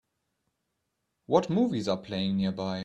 what movies are playing nearby